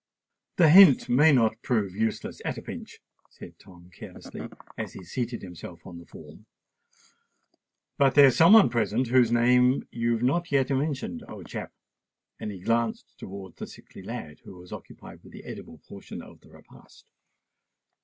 "The hint may not prove useless at a pinch," said Tom carelessly, as he seated himself on the form. "But there's some one present whose name you've not yet mentioned, old chap?" And he glanced towards the sickly lad, who was still occupied with the edible portion of the repast.